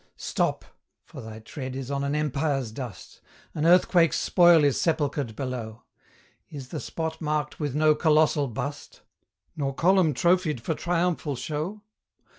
Stop! for thy tread is on an empire's dust! An earthquake's spoil is sepulchred below! Is the spot marked with no colossal bust? Nor column trophied for triumphal show?